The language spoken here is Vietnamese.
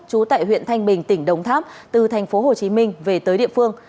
chú tại huyện thanh bình tỉnh đồng tháp từ tp hồ chí minh về tới địa phương